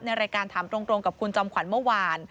รายการถามตรงกับคุณจอมขวัญเมื่อวาน